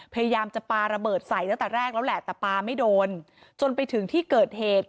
พยายามจะปลาระเบิดใส่ตั้งแต่แรกแล้วแหละแต่ปลาไม่โดนจนไปถึงที่เกิดเหตุ